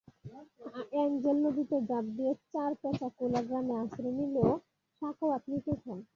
আনজেল নদীতে ঝাঁপ দিয়ে চরপেঁচাকোলা গ্রামে আশ্রয় নিলেও সাখাওয়াত নিখোঁজ হন।